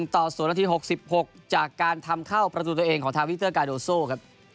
ต่อ๐นาที๖๖จากการทำเข้าประตูตัวเองของทาวิเตอร์กาโดโซ่ครับ